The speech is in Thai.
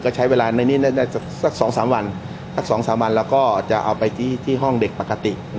ก็ใช้เวลานี้สัก๒๓วันแล้วก็จะเอาไปที่ห้องเด็กปกติ